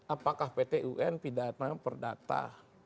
apakah pt un pidana perdata